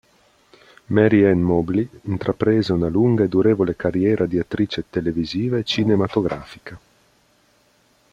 Mary Ann Mobley intraprese una lunga e durevole carriera di attrice televisiva e cinematografica.